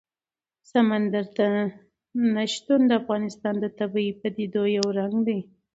سمندر نه شتون د افغانستان د طبیعي پدیدو یو رنګ دی.